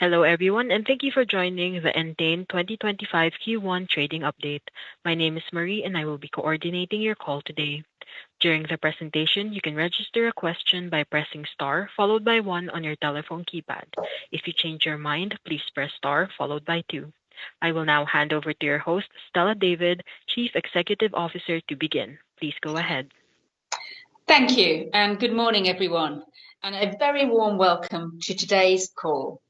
Hello everyone, and thank you for joining the Entain 2025 Q1 Trading Update. My name is Marie, and I will be coordinating your call today. During the presentation, you can register a question by pressing star followed by one on your telephone keypad. If you change your mind, please press star followed by two. I will now hand over to your host, Stella David, Chief Executive Officer, to begin. Please go ahead. Thank you, and good morning everyone, and a very warm welcome to today's call.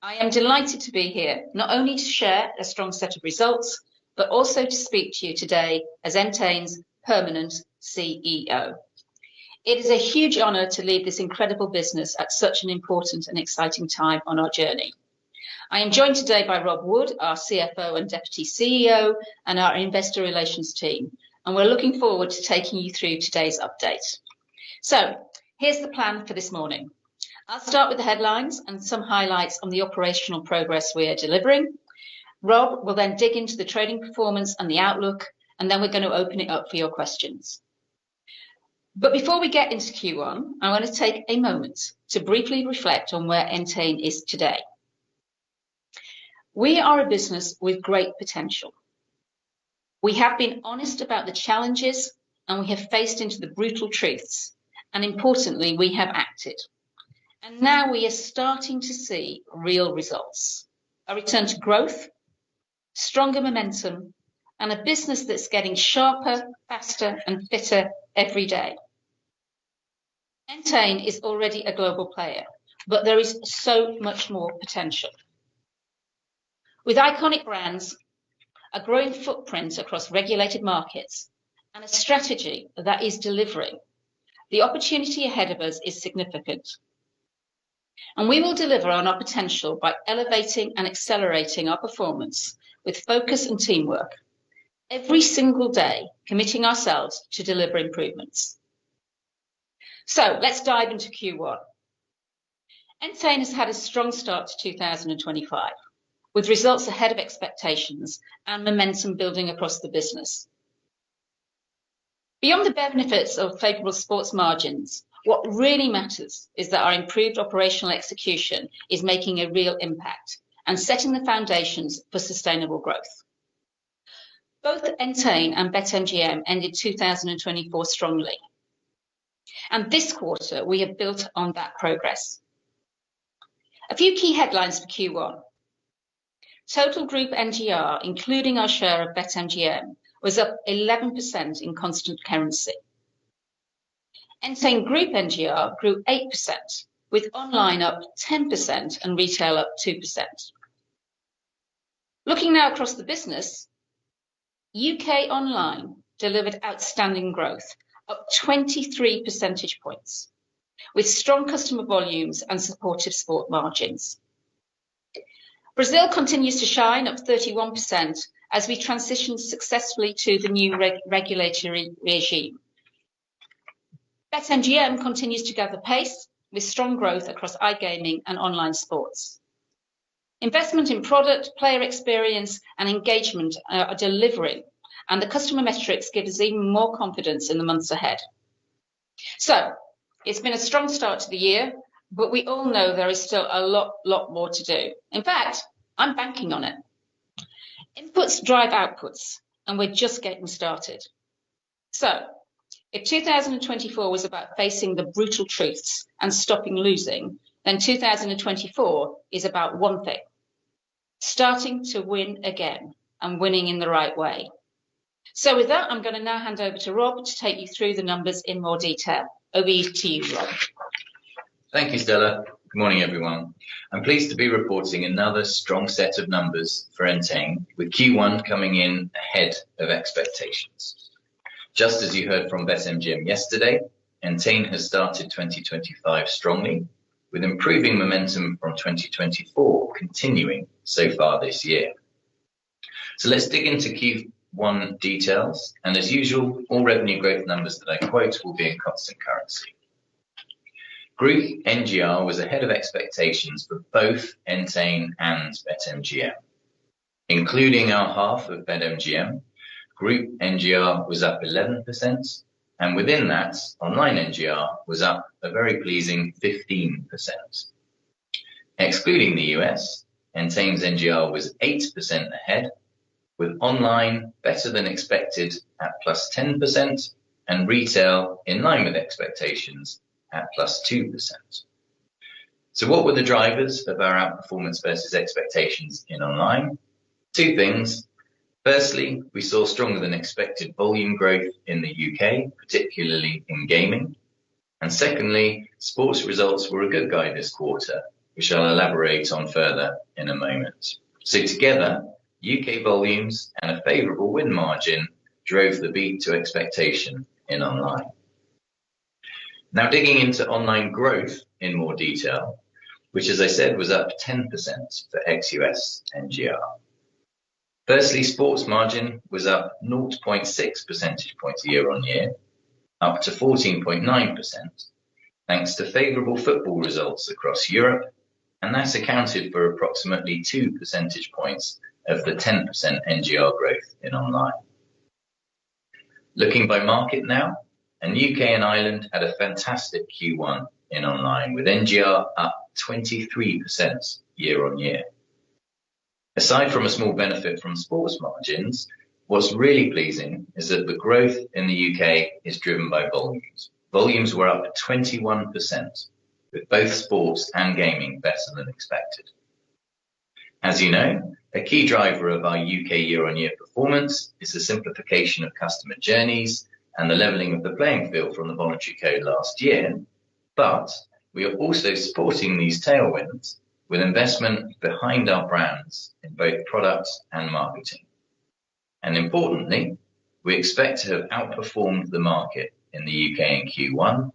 I am delighted to be here, not only to share a strong set of results, but also to speak to you today as Entain's permanent CEO. It is a huge honor to lead this incredible business at such an important and exciting time on our journey. I am joined today by Rob Wood, our CFO and Deputy CEO, and our investor relations team, and we are looking forward to taking you through today's updates. Here is the plan for this morning. I will start with the headlines and some highlights on the operational progress we are delivering. Rob will then dig into the trading performance and the outlook, and then we are going to open it up for your questions. Before we get into Q1, I want to take a moment to briefly reflect on where Entain is today. We are a business with great potential. We have been honest about the challenges, and we have faced the brutal truths, and importantly, we have acted. Now we are starting to see real results: a return to growth, stronger momentum, and a business that's getting sharper, faster, and fitter every day. Entain is already a global player, but there is so much more potential. With iconic brands, a growing footprint across regulated markets, and a strategy that is delivering, the opportunity ahead of us is significant. We will deliver on our potential by elevating and accelerating our performance with focus and teamwork, every single day committing ourselves to deliver improvements. Let's dive into Q1. Entain has had a strong start to 2025, with results ahead of expectations and momentum building across the business. Beyond the benefits of favorable sports margins, what really matters is that our improved operational execution is making a real impact and setting the foundations for sustainable growth. Both Entain and BetMGM ended 2024 strongly, and this quarter we have built on that progress. A few key headlines for Q1: Total Group NGR, including our share of BetMGM, was up 11% in constant currency. Entain Group NGR grew 8%, with online up 10% and retail up 2%. Looking now across the business, U.K. Online delivered outstanding growth of 23 percentage points, with strong customer volumes and supportive sport margins. Brazil continues to shine up 31% as we transition successfully to the new regulatory regime. BetMGM continues to gather pace, with strong growth across iGaming and online sports. Investment in product, player experience, and engagement are delivering, and the customer metrics give us even more confidence in the months ahead. It has been a strong start to the year, but we all know there is still a lot, lot more to do. In fact, I am banking on it. Inputs drive outputs, and we are just getting started. If 2024 was about facing the brutal truths and stopping losing, then 2024 is about one thing: starting to win again and winning in the right way. With that, I am going to now hand over to Rob to take you through the numbers in more detail. Over to you, Rob. Thank you, Stella. Good morning, everyone. I'm pleased to be reporting another strong set of numbers for Entain, with Q1 coming in ahead of expectations. Just as you heard from BetMGM yesterday, Entain has started 2025 strongly, with improving momentum from 2024 continuing so far this year. Let's dig into Q1 details, and as usual, all revenue growth numbers that I quote will be in constant currency. Group NGR was ahead of expectations for both Entain and BetMGM. Including our half of BetMGM, Group NGR was up 11%, and within that, Online NGR was up a very pleasing 15%. Excluding the U.S., Entain's NGR was 8% ahead, with Online better than expected at plus 10%, and retail in line with expectations at plus 2%. What were the drivers of our performance versus expectations in Online? Two things. Firstly, we saw stronger than expected volume growth in the U.K., particularly in gaming. Secondly, sports results were a good guy this quarter, which I'll elaborate on further in a moment. Together, U.K. volumes and a favorable win margin drove the beat to expectation in Online. Now digging into Online growth in more detail, which, as I said, was up 10% for ex-U.S. NGR. Firstly, sports margin was up 0.6 percentage points year on year, up to 14.9%, thanks to favorable football results across Europe, and that has accounted for approximately 2 percentage points of the 10% NGR growth in Online. Looking by market now, U.K. and Ireland had a fantastic Q1 in Online, with NGR up 23% year on year. Aside from a small benefit from sports margins, what's really pleasing is that the growth in the U.K. is driven by volumes. Volumes were up 21%, with both sports and gaming better than expected. As you know, a key driver of our U.K. year-on-year performance is the simplification of customer journeys and the leveling of the playing field from the voluntary code last year, but we are also sporting these tailwinds with investment behind our brands in both products and marketing. Importantly, we expect to have outperformed the market in the U.K. in Q1,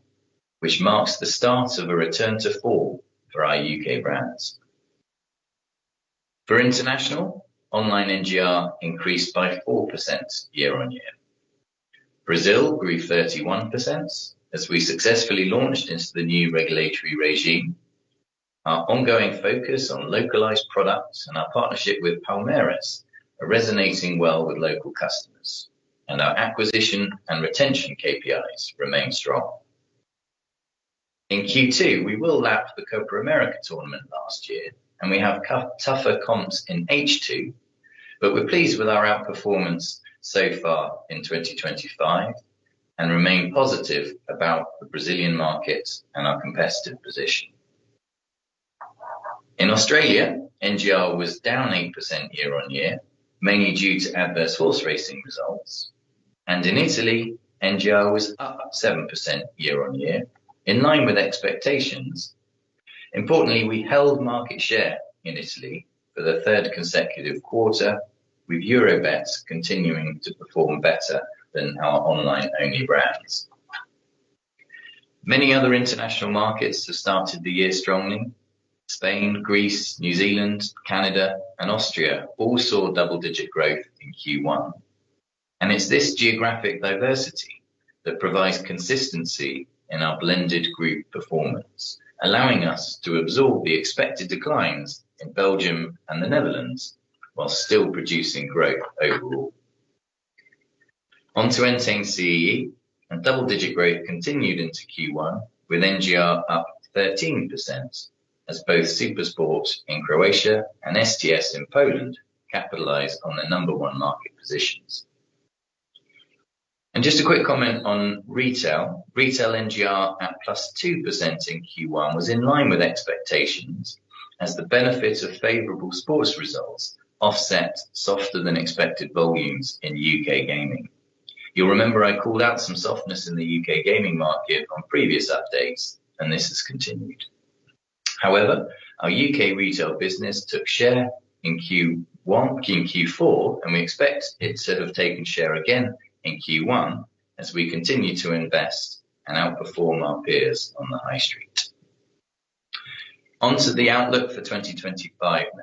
which marks the start of a return to form for our U.K. brands. For international, online NGR increased by 4% year on year. Brazil grew 31% as we successfully launched into the new regulatory regime. Our ongoing focus on localized products and our partnership with Palmeiras are resonating well with local customers, and our acquisition and retention KPIs remain strong. In Q2, we will lap the Copa America tournament last year, and we have tougher comps in H2, but we're pleased with our outperformance so far in 2025 and remain positive about the Brazilian market and our competitive position. In Australia, NGR was down 8% year on year, mainly due to adverse horse racing results, and in Italy, NGR was up 7% year on year, in line with expectations. Importantly, we held market share in Italy for the third consecutive quarter, with Eurobet continuing to perform better than our online-only brands. Many other international markets have started the year strongly. Spain, Greece, New Zealand, Canada, and Austria all saw double-digit growth in Q1. It is this geographic diversity that provides consistency in our blended group performance, allowing us to absorb the expected declines in Belgium and the Netherlands while still producing growth overall. Onto Entain's CEE, and double-digit growth continued into Q1, with NGR up 13% as both SuperSport in Croatia and STS in Poland capitalize on their number one market positions. Just a quick comment on retail. Retail NGR at +2% in Q1 was in line with expectations as the benefits of favorable sports results offset softer than expected volumes in U.K. gaming. You'll remember I called out some softness in the U.K. gaming market on previous updates, and this has continued. However, our U.K. retail business took share in Q4, and we expect it to have taken share again in Q1 as we continue to invest and outperform our peers on the high street. Onto the outlook for 2025 now.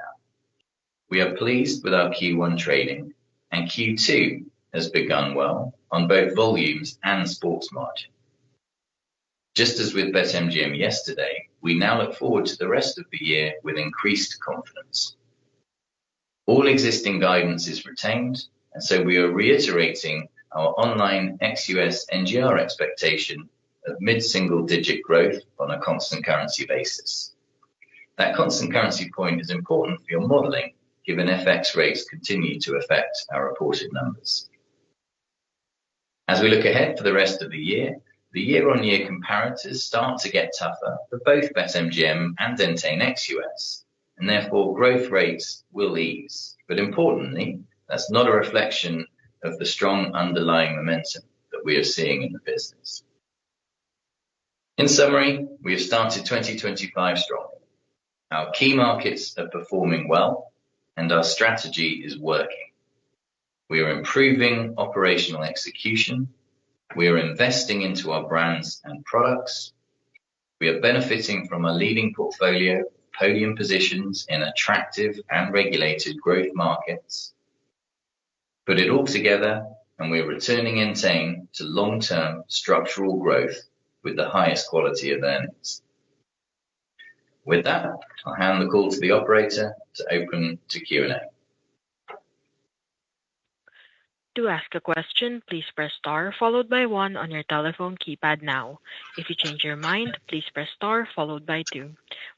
We are pleased with our Q1 trading, and Q2 has begun well on both volumes and sports margins. Just as with BetMGM yesterday, we now look forward to the rest of the year with increased confidence. All existing guidance is retained, so we are reiterating our online ex-U.S. NGR expectation of mid-single-digit growth on a constant currency basis. That constant currency point is important for your modeling, given FX rates continue to affect our reported numbers. As we look ahead for the rest of the year, the year-on-year comparators start to get tougher for both BetMGM and Entain ex-U.S., and therefore growth rates will ease. Importantly, that's not a reflection of the strong underlying momentum we are seeing in the business. In summary, we have started 2025 strong. Our key markets are performing well, and our strategy is working. We are improving operational execution. We are investing into our brands and products. We are benefiting from a leading portfolio, podium positions in attractive and regulated growth markets. Put it all together, and we are returning Entain to long-term structural growth with the highest quality of ends. With that, I'll hand the call to the operator to open to Q&A. To ask a question, please press star followed by one on your telephone keypad now. If you change your mind, please press star followed by two.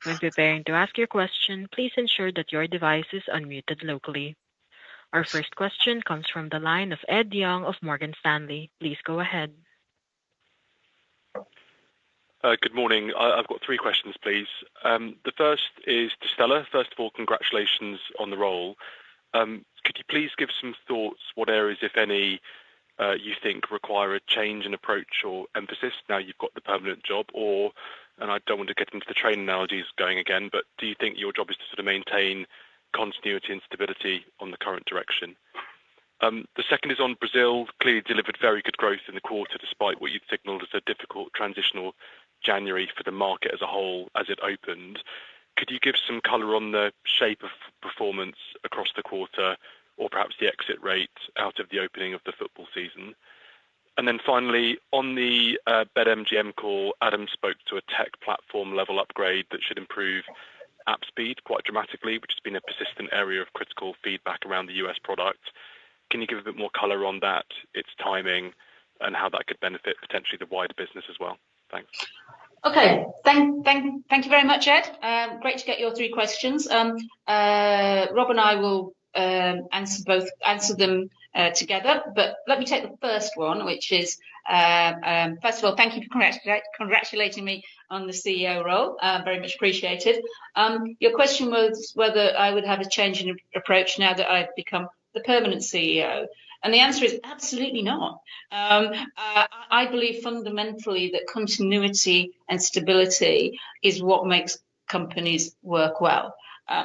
When preparing to ask your question, please ensure that your device is unmuted locally. Our first question comes from the line of Ed Young of Morgan Stanley. Please go ahead. Good morning. I've got three questions, please. The first is to Stella. First of all, congratulations on the role. Could you please give some thoughts on what areas, if any, you think require a change in approach or emphasis? Now you've got the permanent job, and I don't want to get into the train analogies going again, but do you think your job is to sort of maintain continuity and stability on the current direction? The second is on Brazil. Clearly delivered very good growth in the quarter, despite what you've signaled as a difficult transitional January for the market as a whole as it opened. Could you give some color on the shape of performance across the quarter, or perhaps the exit rate out of the opening of the football season? On the BetMGM call, Adam spoke to a tech platform level upgrade that should improve app speed quite dramatically, which has been a persistent area of critical feedback around the U.S. product. Can you give a bit more color on that, its timing, and how that could benefit potentially the wider business as well? Thanks. Okay. Thank you very much, Ed. Great to get your three questions. Rob and I will answer them together, but let me take the first one, which is, first of all, thank you for congratulating me on the CEO role. Very much appreciated. Your question was whether I would have a change in approach now that I've become the permanent CEO. The answer is absolutely not. I believe fundamentally that continuity and stability is what makes companies work well.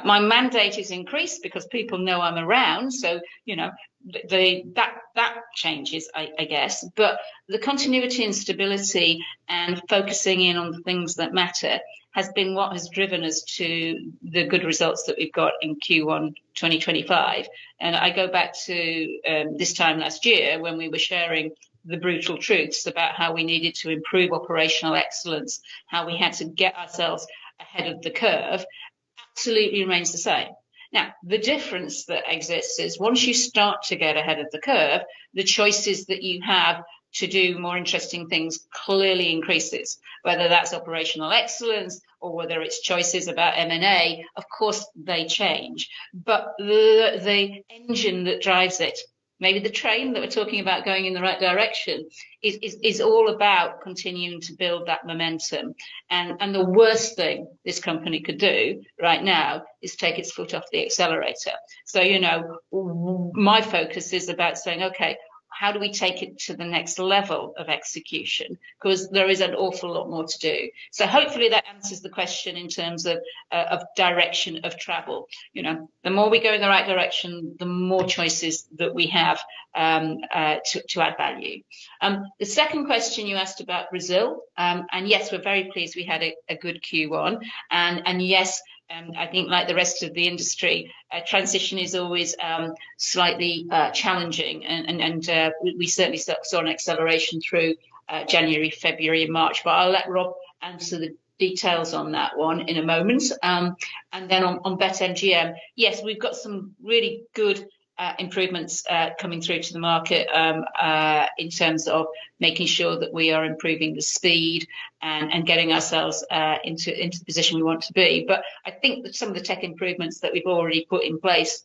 My mandate is increased because people know I'm around, so that changes, I guess. The continuity and stability and focusing in on the things that matter has been what has driven us to the good results that we've got in Q1 2025. I go back to this time last year when we were sharing the brutal truths about how we needed to improve operational excellence, how we had to get ourselves ahead of the curve, absolutely remains the same. Now, the difference that exists is once you start to get ahead of the curve, the choices that you have to do more interesting things clearly increases. Whether that's operational excellence or whether it's choices about M&A, of course, they change. The engine that drives it, maybe the train that we're talking about going in the right direction, is all about continuing to build that momentum. The worst thing this company could do right now is take its foot off the accelerator. My focus is about saying, okay, how do we take it to the next level of execution? Because there is an awful lot more to do. Hopefully that answers the question in terms of direction of travel. The more we go in the right direction, the more choices that we have to add value. The second question you asked about Brazil, and yes, we're very pleased we had a good Q1. Yes, I think like the rest of the industry, transition is always slightly challenging. We certainly saw an acceleration through January, February, and March. I'll let Rob answer the details on that one in a moment. On BetMGM, yes, we've got some really good improvements coming through to the market in terms of making sure that we are improving the speed and getting ourselves into the position we want to be. I think that some of the tech improvements that we've already put in place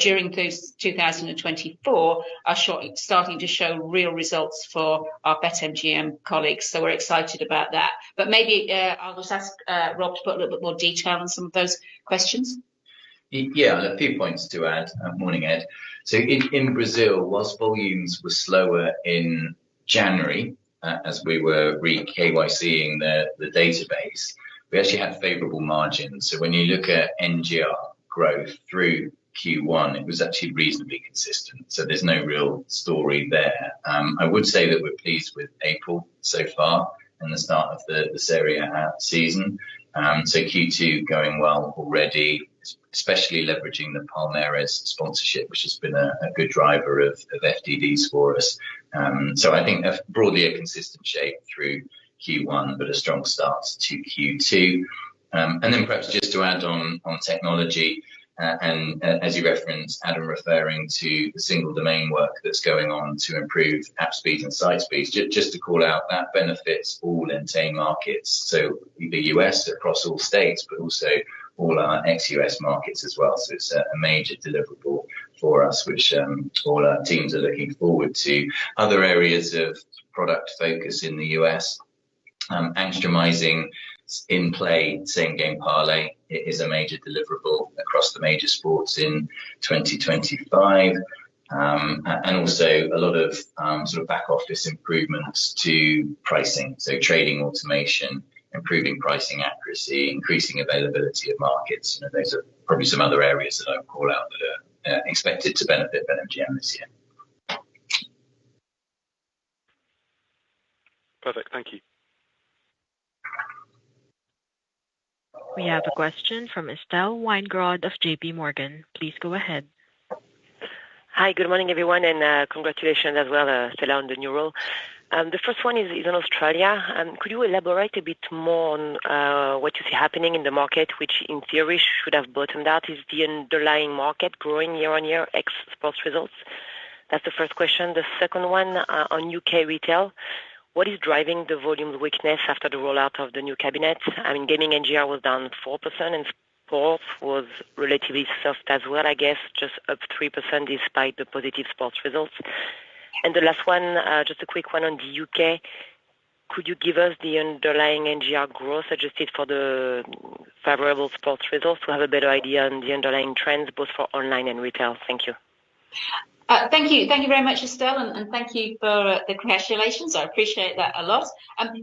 during 2024 are starting to show real results for our BetMGM colleagues. We're excited about that. Maybe I'll just ask Rob to put a little bit more detail on some of those questions. Yeah, I'll have two points to add. Morning, Ed. In Brazil, whilst volumes were slower in January, as we were re-KYCing the database, we actually had favorable margins. When you look at NGR growth through Q1, it was actually reasonably consistent. There is no real story there. I would say that we're pleased with April so far and the start of the Serie A season, and Q2 is going well already, especially leveraging the Palmeiras sponsorship, which has been a good driver of FTDs for us. I think broadly a consistent shape through Q1, but a strong start to Q2. Perhaps just to add on technology, as you referenced, Adam referring to the single-domain work that is going on to improve app speed and site speed, just to call out that benefits all Entain markets, the U.S. across all states, but also all our ex-U.S. markets as well. It is a major deliverable for us, which all our teams are looking forward to. Other areas of product focus in the U.S., Angstromizing in play, same game parlay, is a major deliverable across the major sports in 2025. There are also a lot of sort of back-office improvements to pricing, so trading automation, improving pricing accuracy, increasing availability of markets, and probably some other areas that I would call out that are expected to benefit BetMGM this year. Perfect. Thank you. We have a question from Estelle Weingrod of JPMorgan. Please go ahead. Hi, good morning, everyone, and congratulations as well, Stella, on the new role. The first one is in Australia. Could you elaborate a bit more on what you see happening in the market, which in theory should have bottomed out, is the underlying market growing year on year ex sports results? That's the first question. The second one on U.K. retail, what is driving the volume weakness after the rollout of the new cabinet? I mean, gaming NGR was down 4%, and sports was relatively soft as well, I guess, just up 3% despite the positive sports results. The last one, just a quick one on the U.K., could you give us the underlying NGR growth adjusted for the favorable sports results to have a better idea on the underlying trends, both for online and retail? Thank you. Thank you. Thank you very much, Estelle, and thank you for the congratulations. I appreciate that a lot.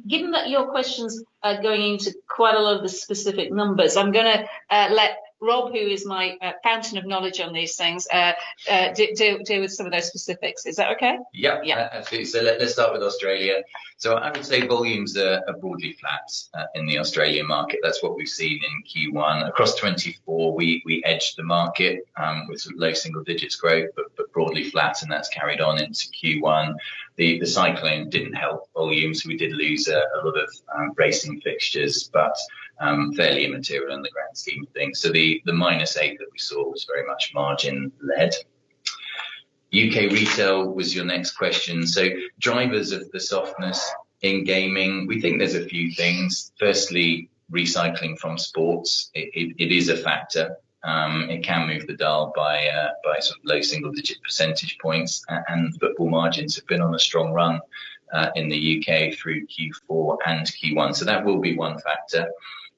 Given that your questions are going into quite a lot of the specific numbers, I'm going to let Rob, who is my fountain of knowledge on these things, deal with some of those specifics. Is that okay? Yeah, absolutely. Let's start with Australia. I would say volumes are broadly flat in the Australian market. That's what we've seen in Q1. Across 2024, we edged the market with low single-digit growth, but broadly flat, and that's carried on into Q1. The cyclone didn't help volumes. We did lose a lot of racing fixtures, but fairly immaterial in the grand scheme of things. The minus 8% that we saw was very much margin-led. U.K. retail was your next question. Drivers of the softness in gaming, we think there's a few things. Firstly, recycling from sports is a factor. It can move the dial by sort of low single-digit percentage points, and football margins have been on a strong run in the U.K. through Q4 and Q1. That will be one factor.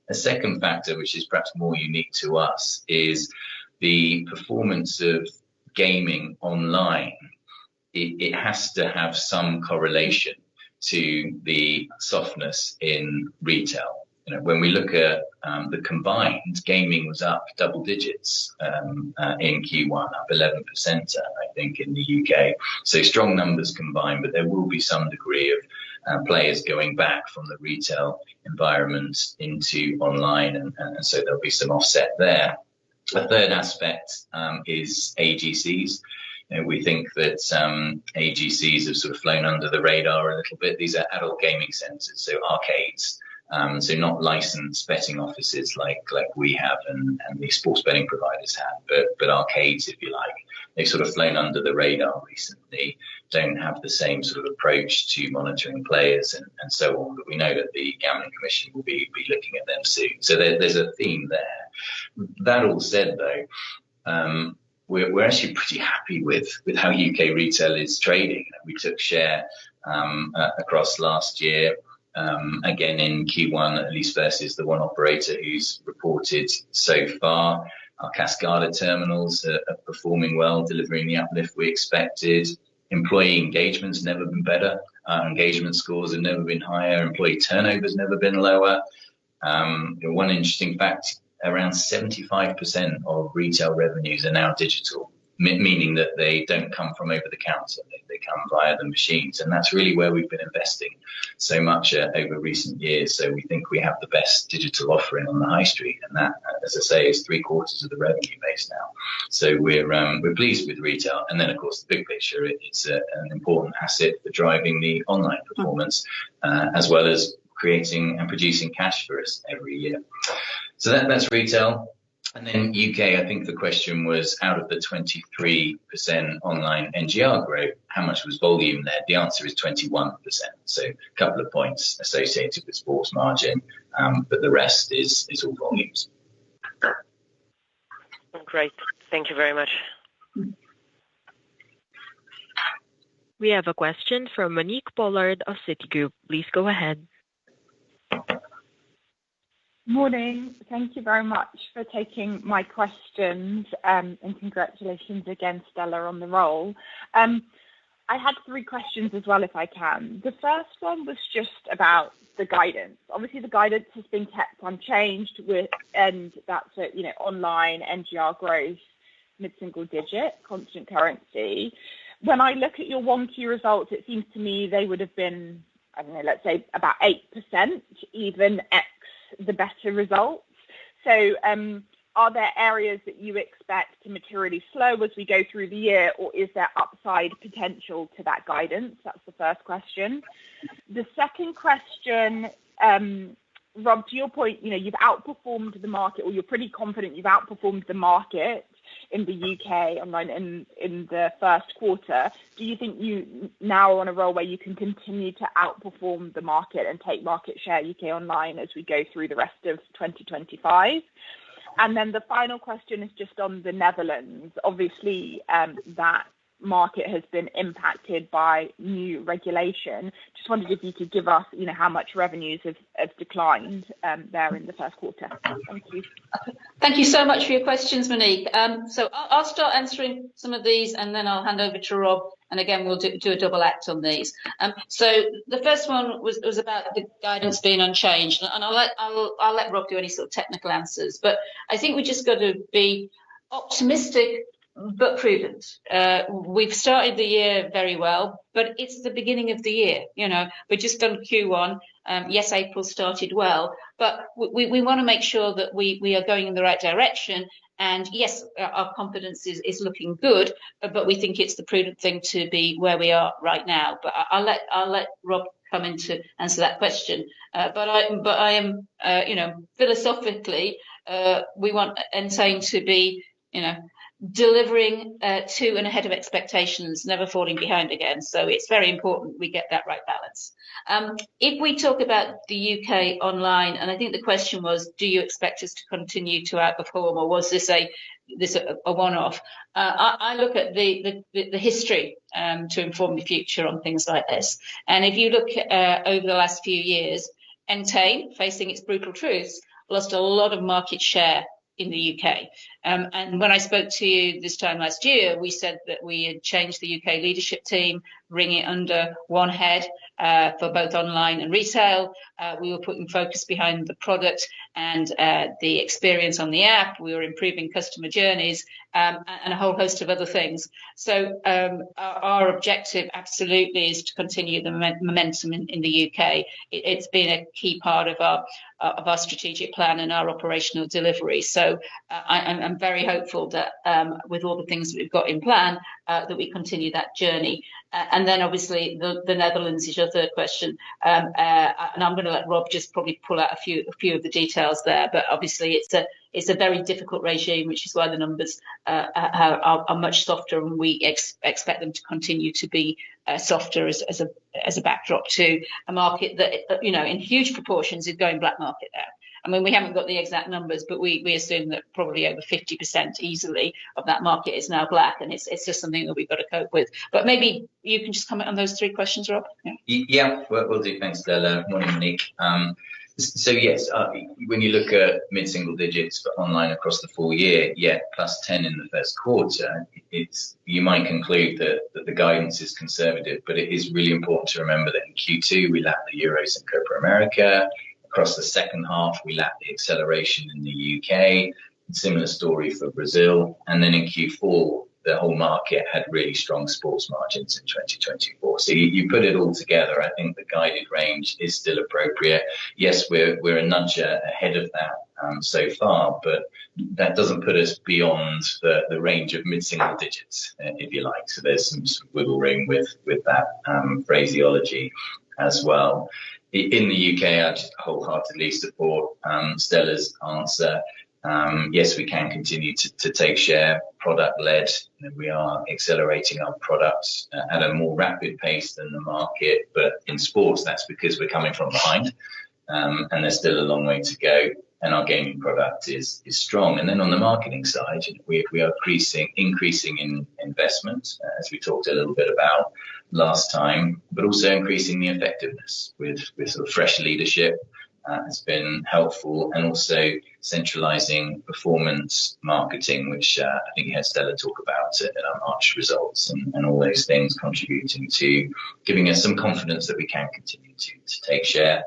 A second factor, which is perhaps more unique to us, is the performance of gaming online. It has to have some correlation to the softness in retail. When we look at the combined, gaming was up double digits in Q1, up 11% in the U.K. Strong numbers combined, but there will be some degree of players going back from the retail environment into online, and there will be some offset there. A third aspect is AGCs. We think that AGCs have sort of flown under the radar a little bit. These are adult gaming centers, so arcades, not licensed betting offices like we have and the sports betting providers have, but arcades, if you like. They have sort of flown under the radar recently, do not have the same sort of approach to monitoring players and so on. We know that the Gambling Commission will be looking at them soon. There is a theme there. That all said, though, we're actually pretty happy with how U.K. retail is trading. We took share across last year, again in Q1, at least versus the one operator who's reported so far. Our Cascada terminals are performing well, delivering the uplift we expected. Employee engagement's never been better. Our engagement scores have never been higher. Employee turnover's never been lower. One interesting fact, around 75% of retail revenues are now digital, meaning that they don't come from over-the-counter. They come via the machines. That is really where we've been investing so much over recent years. We think we have the best digital offering on the high street. That, as I say, is three-quarters of the revenue base now. We are pleased with retail. Of course, the big picture, it's an important asset for driving the online performance, as well as creating and producing cash flows. That is retail. In the U.K., I think the question was, out of the 23% online NGR growth, how much was volume there? The answer is 21%. A couple of points associated with sports margin, but the rest is all volumes. Great. Thank you very much. We have a question from Monique Pollard of Citigroup. Please go ahead. Morning. Thank you very much for taking my questions and congratulations again, Stella, on the role. I had three questions as well, if I can. The first one was just about the guidance. Obviously, the guidance has been kept unchanged with, and that's online NGR growth, mid-single digit, constant currency. When I look at your Q1 results, it seems to me they would have been, I don't know, let's say about 8%, even ex the results. So are there areas that you expect to materially slow as we go through the year, or is there upside potential to that guidance? That's the first question. The second question, Rob, to your point, you've outperformed the market, or you're pretty confident you've outperformed the market in the U.K. online in the first quarter. Do you think you now are on a roll where you can continue to outperform the market and take market share U.K. online as we go through the rest of 2025? The final question is just on the Netherlands. Obviously, that market has been impacted by new regulation. Just wondered if you could give us how much revenues have declined there in the first quarter. Thank you. Thank you so much for your questions, Monique. I'll start answering some of these, and then I'll hand over to Rob. Again, we'll do a double act on these. The first one was about the guidance being unchanged. I'll let Rob do any sort of technical answers. I think we just got to be optimistic but prudent. We've started the year very well, but it's the beginning of the year. We've just done Q1. Yes, April started well. We want to make sure that we are going in the right direction. Yes, our confidence is looking good, but we think it's the prudent thing to be where we are right now. I'll let Rob come in to answer that question. I am philosophically saying to be delivering to and ahead of expectations, never falling behind again. It is very important we get that right balance. If we talk about the U.K. online, and I think the question was, do you expect us to continue to outperform, or was this a one-off? I look at the history to inform the future on things like this. If you look over the last few years, Entain, facing its brutal truths, lost a lot of market share in the U.K. When I spoke to you this time last year, we said that we had changed the U.K. leadership team, bringing it under one head for both online and retail. We were putting focus behind the product and the experience on the app. We were improving customer journeys and a whole host of other things. Our objective absolutely is to continue the momentum in the U.K. It's been a key part of our strategic plan and our operational delivery. I am very hopeful that with all the things that we've got in plan, we continue that journey. Obviously, the Netherlands is your third question. I am going to let Rob just probably pull out a few of the details there. Obviously, it's a very difficult regime, which is why the numbers are much softer and we expect them to continue to be softer as a backdrop to a market that, in huge proportions, is going black market now. I mean, we haven't got the exact numbers, but we assume that probably over 50% easily of that market is now black, and it's just something that we've got to cope with. Maybe you can just comment on those three questions, Rob. Yeah, will do. Thanks, Stella. Morning, Monique. So yes, when you look at mid-single digits for online across the full year, yeah, plus 10% in the first quarter, you might conclude that the guidance is conservative, but it is really important to remember that in Q2, we lapped the Euros and Copa América. Across the second half, we lapped the acceleration in the U.K. Similar story for Brazil. In Q4, the whole market had really strong sports margins in 2024. You put it all together, I think the guided range is still appropriate. Yes, we are a nudge ahead of that so far, but that does not put us beyond the range of mid-single digits, if you like. There is some wiggle room with that phraseology as well. In the U.K., I would just wholeheartedly support Stella's answer. Yes, we can continue to take share product-led. We are accelerating our products at a more rapid pace than the market, but in sports, that's because we're coming from behind, and there's still a long way to go, and our gaming product is strong. On the marketing side, we are increasing in investment, as we talked a little bit about last time, but also increasing the effectiveness with sort of fresh leadership has been helpful. Also, centralizing performance marketing, which I think you had Stella talk about in our March results, and all those things contributing to giving us some confidence that we can continue to take share.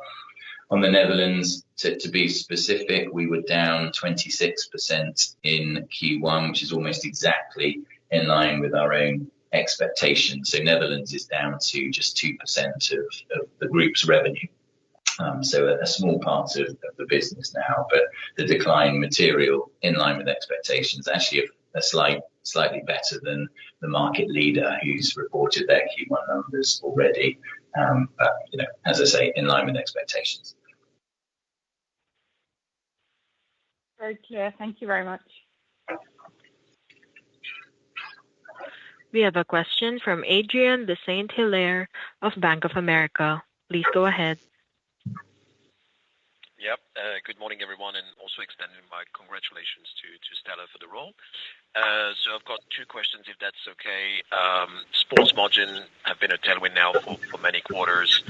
On the Netherlands, to be specific, we were down 26% in Q1, which is almost exactly in line with our own expectations. Netherlands is down to just 2% of the group's revenue. A small part of the business now, but the decline material in line with expectations is actually slightly better than the market leader who's reported their Q1 numbers already. As I say, in line with expectations. Very clear. Thank you very much. We have a question from Adrien de Saint Hilaire of Bank of America. Please go ahead. Yep. Good morning, everyone, and also extending my congratulations to Stella for the role. I have two questions, if that's okay. Sports margin have been a tailwind now for many quarters.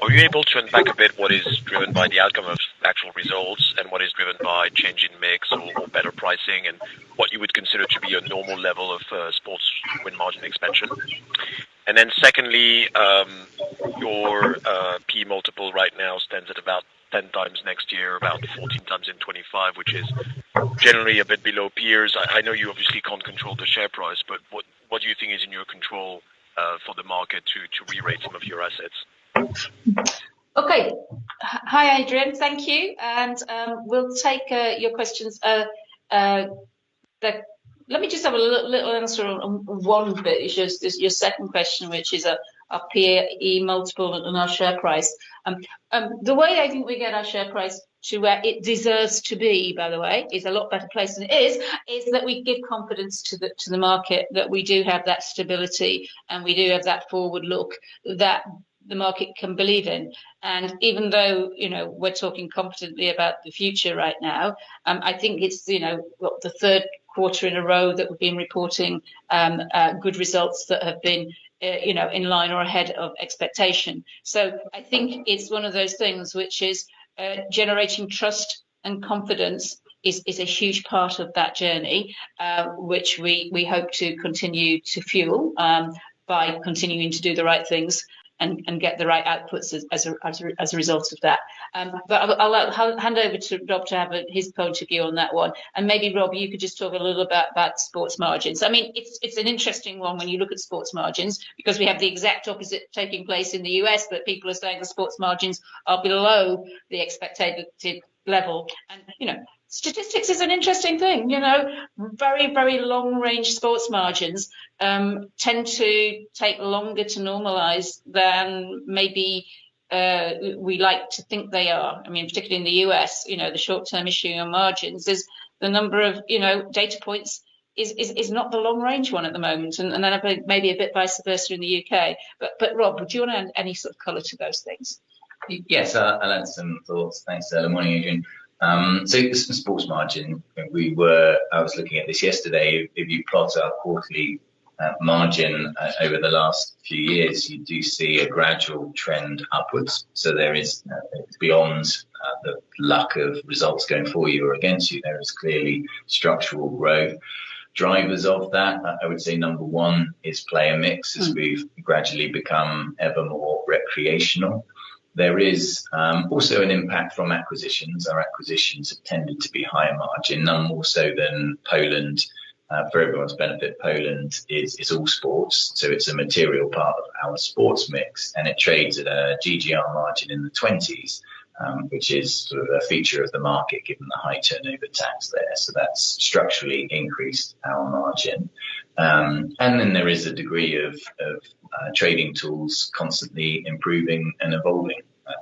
Are you able to unpack a bit what is driven by the outcome of actual results and what is driven by changing mix or better pricing and what you would consider to be your normal level of sports win margin expansion? Secondly, your P multiple right now stands at about 10 times next year, about 14 times in 2025, which is generally a bit below peers. I know you obviously can't control the share price, but what do you think is in your control for the market to re-rate some of your assets? Okay. Hi, Adrian. Thank you. We'll take your questions. Let me just have a little answer on one, but it's just your second question, which is a P multiple on our share price. The way I think we get our share price to where it deserves to be, by the way, is a lot better place than it is, is that we give confidence to the market that we do have that stability and we do have that forward look that the market can believe in. Even though we're talking confidently about the future right now, I think it's the third quarter in a row that we've been reporting good results that have been in line or ahead of expectation. I think it's one of those things which is generating trust and confidence is a huge part of that journey, which we hope to continue to fuel by continuing to do the right things and get the right outputs as a result of that. I'll hand over to Rob to have his point of view on that one. Maybe, Rob, you could just talk a little about sports margins. I mean, it's an interesting one when you look at sports margins because we have the exact opposite taking place in the U.S., but people are saying the sports margins are below the expected level. Statistics is an interesting thing. Very, very long-range sports margins tend to take longer to normalize than maybe we like to think they are. I mean, particularly in the U.S., the short-term issue on margins is the number of data points is not the long-range one at the moment. I think maybe a bit vice versa in the U.K. Rob, would you want to add any sort of color to those things? Yes, I'll add some thoughts. Thanks, Stella. Morning, Adrien. This sports margin, I was looking at this yesterday. If you plot our quarterly margin over the last few years, you do see a gradual trend upwards. There is, beyond the lack of results going for you or against you, clearly structural growth. Drivers of that, I would say number one is player mix, as we've gradually become ever more recreational. There is also an impact from acquisitions. Our acquisitions have tended to be higher margin, none more so than Poland. For everyone's benefit, Poland is all sports. It is a material part of our sports mix. It trades at a GGR margin in the 20s, which is sort of a feature of the market given the high turnover tax there. That has structurally increased our margin. There is a degree of trading tools constantly improving and evolving.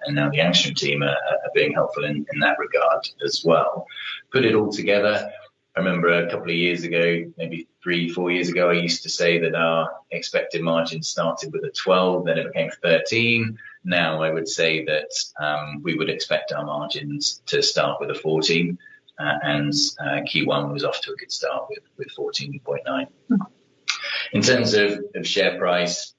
Now, the Angstrom team are being helpful in that regard as well. Put it all together, I remember a couple of years ago, maybe three, four years ago, I used to say that our expected margin started with a 12, then it became 13. Now, I would say that we would expect our margins to start with a 14, and Q1 was off to a good start with 14.9. In terms of share price,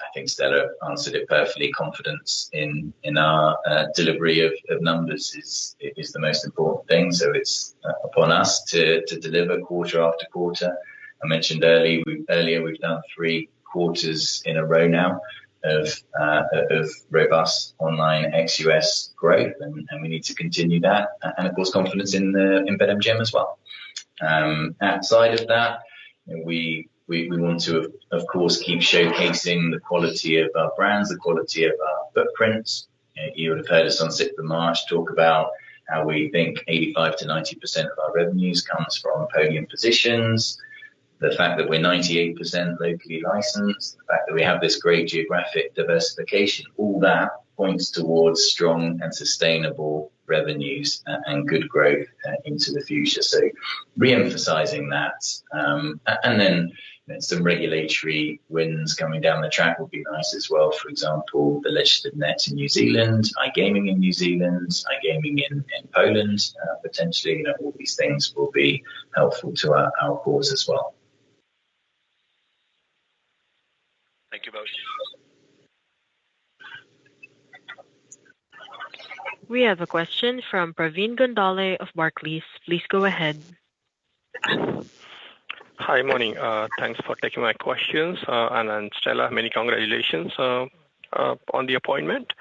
I think Stella answered it perfectly. Confidence in our delivery of numbers is the most important thing. It is upon us to deliver quarter after quarter. I mentioned earlier we have done three quarters in a row now of robust online ex-U.S. growth, and we need to continue that. Of course, confidence in BetMGM as well. Outside of that, we want to, of course, keep showcasing the quality of our brands, the quality of our footprints. You would have heard us on 6th of March talk about how we think 85%-90% of our revenues comes from opinion positions. The fact that we're 98% locally licensed, the fact that we have this great geographic diversification, all that points towards strong and sustainable revenues and good growth into the future. Re-emphasizing that. Some regulatory winds coming down the track would be nice as well. For example, the legislative net in New Zealand, iGaming in New Zealand, iGaming in Poland, potentially all these things will be helpful to our cause as well. Thank you both. We have a question from Pravin Gondhale of Barclays. Please go ahead. Hi, morning. Thanks for taking my questions. Stella, many congratulations on the appointment.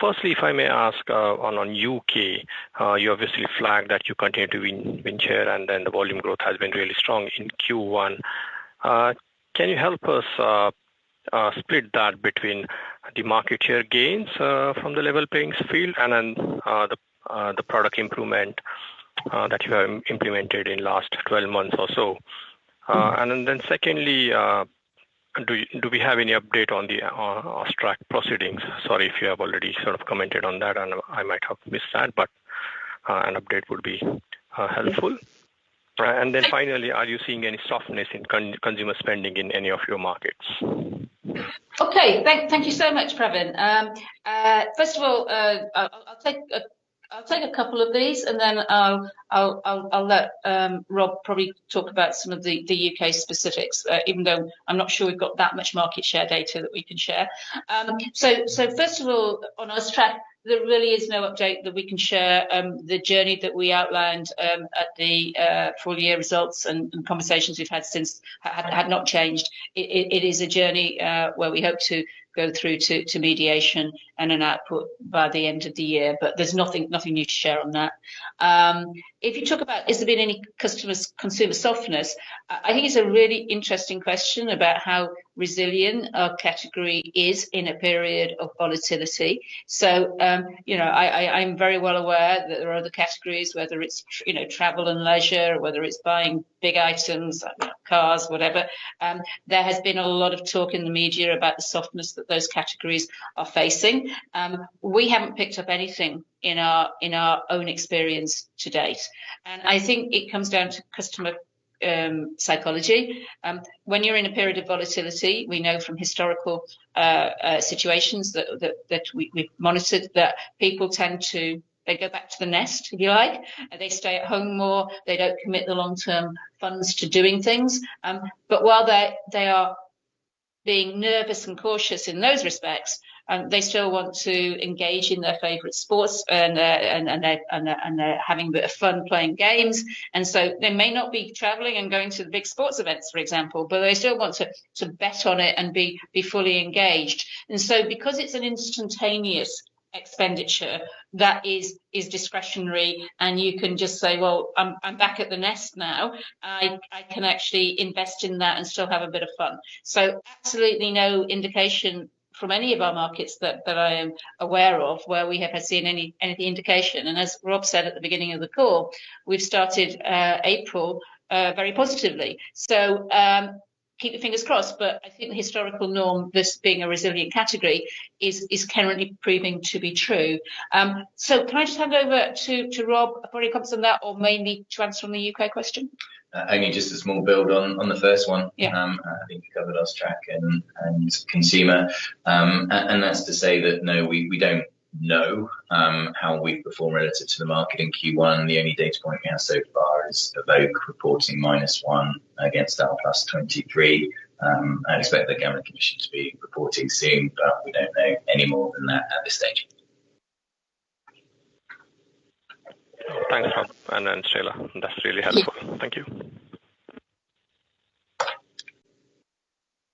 Firstly, if I may ask on U.K., you obviously flagged that you continue to win share, and the volume growth has been really strong in Q1. Can you help us split that between the market share gains from the level playing field and the product improvement that you have implemented in the last 12 months or so? Secondly, do we have any update on the AUSTRAC proceedings? Sorry if you have already sort of commented on that, and I might have missed that, but an update would be helpful. Finally, are you seeing any softness in consumer spending in any of your markets? Okay. Thank you so much, Praveen. First of all, I'll take a couple of these, and then I'll let Rob probably talk about some of the U.K. specifics, even though I'm not sure we've got that much market share data that we can share. First of all, on AUSTRAC, there really is no update that we can share. The journey that we outlined at the full year results and conversations we've had since have not changed. It is a journey where we hope to go through to mediation and an output by the end of the year, but there's nothing new to share on that. If you talk about, has there been any consumer softness? I think it's a really interesting question about how resilient our category is in a period of volatility. I'm very well aware that there are other categories, whether it's travel and leisure, whether it's buying big items, cars, whatever. There has been a lot of talk in the media about the softness that those categories are facing. We haven't picked up anything in our own experience to date. I think it comes down to customer psychology. When you're in a period of volatility, we know from historical situations that we've monitored that people tend to go back to the nest, if you like. They stay at home more. They don't commit the long-term funds to doing things. While they are being nervous and cautious in those respects, they still want to engage in their favorite sports and they're having a bit of fun playing games. They may not be traveling and going to the big sports events, for example, but they still want to bet on it and be fully engaged. Because it is an instantaneous expenditure that is discretionary, and you can just say, "I'm back at the nest now," I can actually invest in that and still have a bit of fun. Absolutely no indication from any of our markets that I am aware of where we have seen any indication. As Rob said at the beginning of the call, we have started April very positively. Keep your fingers crossed, but I think the historical norm, this being a resilient category, is currently proving to be true. Can I just hand over to Rob for any comments on that or mainly to answer on the U.K. question? I mean, just a small build on the first one. I think we covered Angstrom and consumer. That is to say that, no, we do not know how we have performed relative to the market in Q1. The only data point we have so far is the reporting minus one against our plus 23. I expect the Gambling Commission to be reporting soon, but I do not know any more than that at this stage. Thanks, Rob and Stella. That's really helpful. Thank you.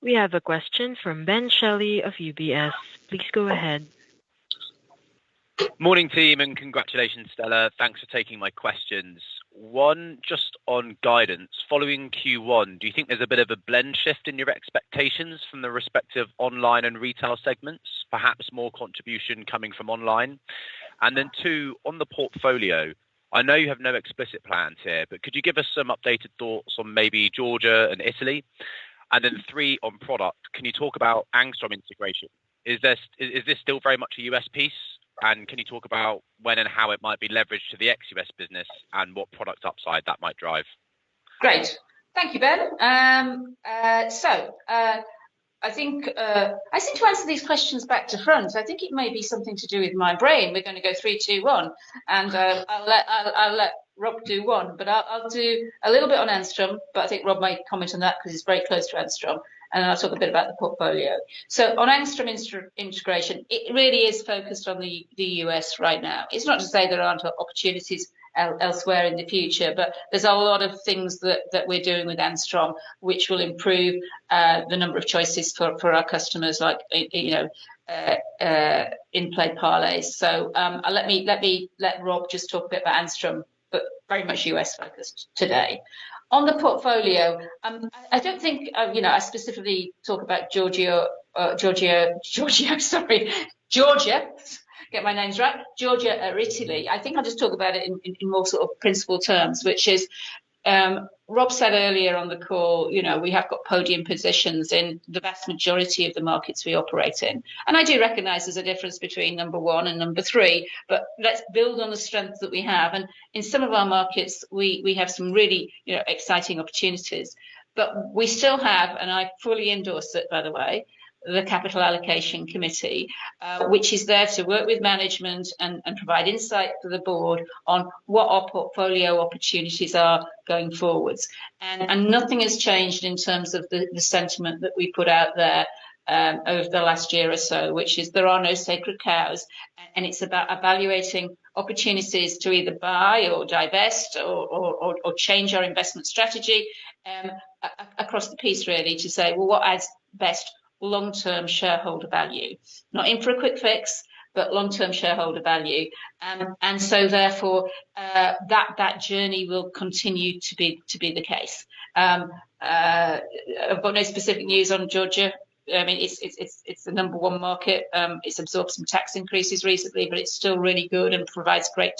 We have a question from Ben Shelley of UBS. Please go ahead. Morning, team, and congratulations, Stella. Thanks for taking my questions. One, just on guidance, following Q1, do you think there's a bit of a blend shift in your expectations from the respective online and retail segments, perhaps more contribution coming from online? Two, on the portfolio, I know you have no explicit plans here, but could you give us some updated thoughts on maybe Georgia and Italy? Three, on product, can you talk about Angstrom integration? Is this still very much a U.S. piece? Can you talk about when and how it might be leveraged to the ex-U.S. business and what product upside that might drive? Great. Thank you, Ben. I think I seem to answer these questions back to France. I think it may be something to do with my brain. We're going to go three, two, one. I'll let Rob do one, but I'll do a little bit on Angstrom, but I think Rob might comment on that because he's very close to Angstrom. I'll talk a bit about the portfolio. On Angstrom integration, it really is focused on the U.S. right now. It's not to say there aren't opportunities elsewhere in the future, but there's a lot of things that we're doing with Angstrom, which will improve the number of choices for our customers like in-play parlays. Let me let Rob just talk a bit about Angstrom, but very much U.S. focused today. On the portfolio, I do not think I specifically talk about Georgia, Georgia, sorry, Georgia, get my names right, Georgia and Italy. I think I will just talk about it in more sort of principal terms, which is Rob said earlier on the call, we have got podium positions in the vast majority of the markets we operate in. I do recognize there is a difference between number one and number three, but let's build on the strengths that we have. In some of our markets, we have some really exciting opportunities. I fully endorse it, by the way, the Capital Allocation Committee, which is there to work with management and provide insight to the board on what our portfolio opportunities are going forwards. Nothing has changed in terms of the sentiment that we put out there over the last year or so, which is there are no sacred cows. It is about evaluating opportunities to either buy or divest or change our investment strategy across the piece, really, to say, what adds best long-term shareholder value? Not in for a quick fix, but long-term shareholder value. Therefore, that journey will continue to be the case. I have no specific news on Georgia. I mean, it is the number one market. It has absorbed some tax increases recently, but it is still really good and provides great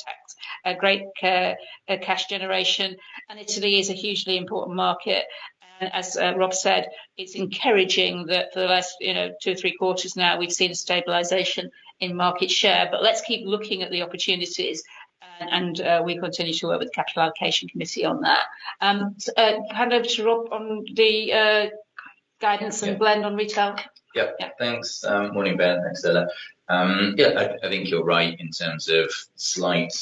cash generation. Italy is a hugely important market. As Rob said, it is encouraging that for the last two, three quarters now, we have seen a stabilization in market share. Let's keep looking at the opportunities, and we continue to work with the Capital Allocation Committee on that. Hand over to Rob on the guidance and blend on retail. Yep. Thanks. Morning, Ben. Thanks, Stella. Yeah, I think you're right in terms of slight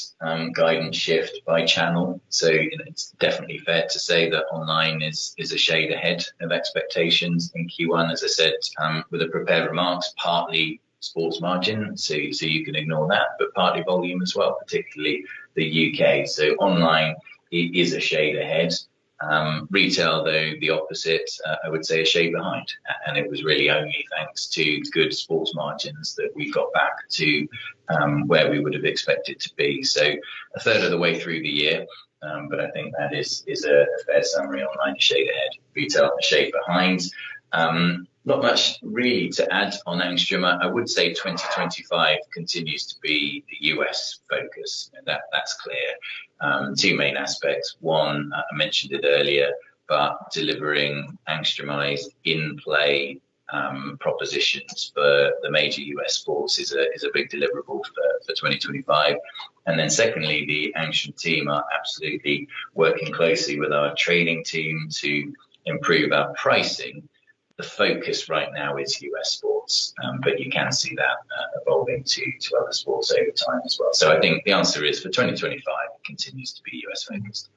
guidance shift by channel. It's definitely fair to say that online is a shade ahead of expectations in Q1, as I said, with the prepared remarks, partly sports margin. You can ignore that, but partly volume as well, particularly the U.K. Online is a shade ahead. Retail, though, the opposite, I would say a shade behind. It was really only thanks to good sports margins that we got back to where we would have expected to be. A third of the way through the year, I think that is a fair summary: online, a shade ahead; retail, a shade behind. Not much really to add on Angstrom. I would say 2025 continues to be the U.S. focus. That's clear. Two main aspects. One, I mentioned it earlier, but delivering Angstromized in-play propositions for the major U.S. sports is a big deliverable for 2025. The Angstrom team are absolutely working closely with our trading team to improve our pricing. The focus right now is U.S. sports, but you can see that evolving to other sports over time as well. I think the answer is for 2025, it continues to be U.S. focused.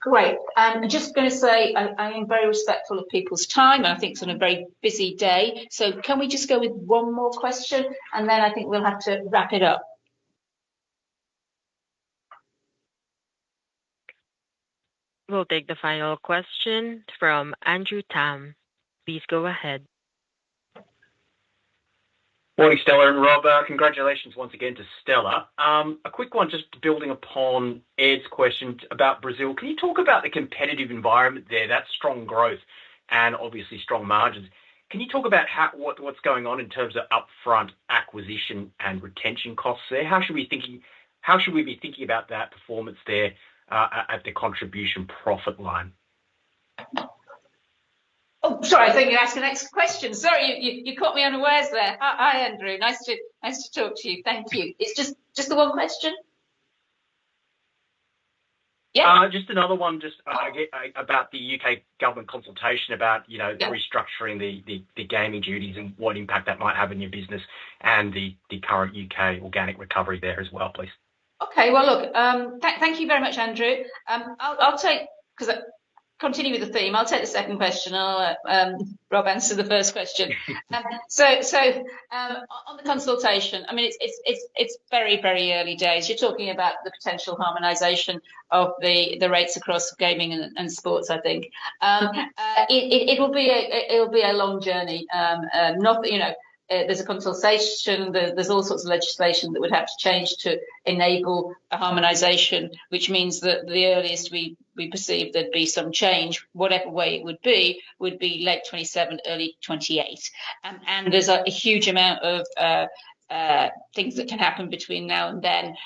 Great. I am just going to say I am very respectful of people's time. I think it is on a very busy day. Can we just go with one more question? I think we will have to wrap it up. We'll take the final question from Andrew Tam. Please go ahead. Morning, Stella and Rob. Congratulations once again to Stella. A quick one just building upon Ed's question about Brazil. Can you talk about the competitive environment there, that strong growth and obviously strong margins? Can you talk about what's going on in terms of upfront acquisition and retention costs there? How should we be thinking about that performance there at the contribution profit line? Oh, sorry, I thought you'd ask the next question. Sorry, you caught me unawares there. Hi, Andrew. Nice to talk to you. Thank you. It's just the one question? Yeah. Just another one just about the U.K. government consultation about restructuring the gaming duties and what impact that might have in your business and the current U.K. organic recovery there as well, please. Okay. Thank you very much, Andrew. I'll take, because continue with the theme, I'll take the second question. I'll let Rob answer the first question. On the consultation, I mean, it's very, very early days. You're talking about the potential harmonization of the rates across gaming and sports, I think. It will be a long journey. There's a consultation. There's all sorts of legislation that would have to change to enable a harmonization, which means that the earliest we perceive there'd be some change, whatever way it would be, would be late 2027, early 2028. There's a huge amount of things that can happen between now and then.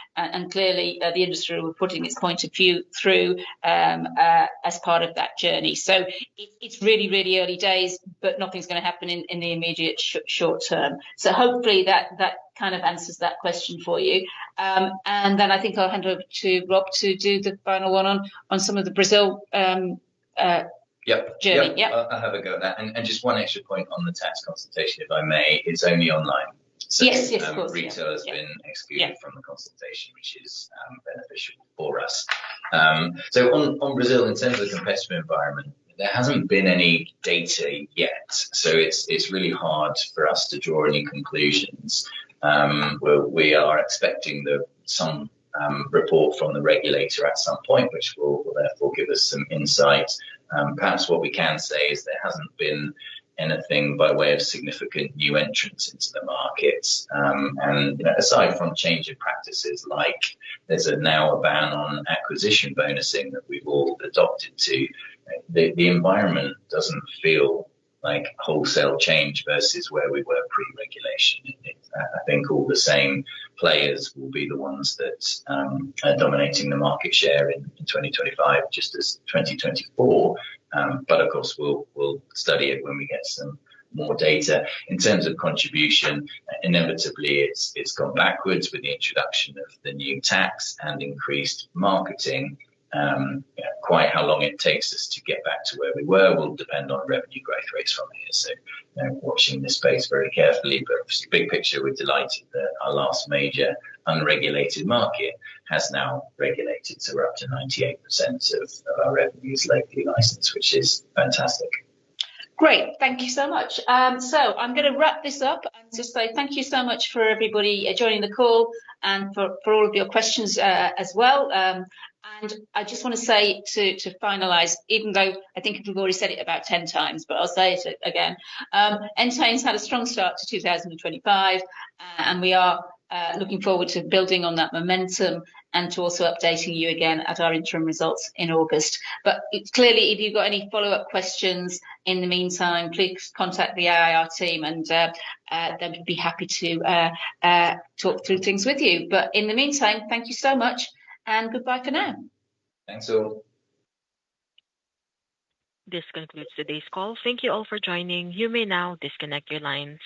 Clearly, the industry will be putting its point of view through as part of that journey. It's really, really early days, but nothing's going to happen in the immediate short term. Hopefully that kind of answers that question for you. I think I'll hand over to Rob to do the final one on some of the Brazil journey. Yeah, I'll have a go at that. Just one extra point on the tax consultation, if I may. It's only online. Yes, of course. Retail has been excluded from the consultation, which is beneficial for us. On Brazil, in terms of the competitive environment, there has not been any data yet. It is really hard for us to draw any conclusions. We are expecting some report from the regulator at some point, which will therefore give us some insight. Perhaps what we can say is there has not been anything by way of significant new entrants into the markets. Aside from change in practices, like there is now a ban on acquisition bonusing that we have all adopted to, the environment does not feel like wholesale change versus where we work with regulation. I think all the same players will be the ones that are dominating the market share in 2025, just as 2024. Of course, we will study it when we get some more data. In terms of contribution, inevitably, it's gone backwards with the introduction of the new tax and increased marketing. Quite how long it takes us to get back to where we were will depend on revenue growth rates from here. We are watching this space very carefully. Obviously, big picture, we are delighted that our last major unregulated market has now regulated to up to 98% of our revenues lately, which is fantastic. Great. Thank you so much. I am going to wrap this up and just say thank you so much for everybody joining the call and for all of your questions as well. I just want to say to finalize, even though I think we have already said it about 10 times, but I will say it again. Entain has had a strong start to 2025, and we are looking forward to building on that momentum and to also updating you again at our interim results in August. Clearly, if you have got any follow-up questions in the meantime, please contact the IR team, and they would be happy to talk through things with you. In the meantime, thank you so much, and goodbye for now. Thanks, all. This concludes today's call. Thank you all for joining. You may now disconnect your lines.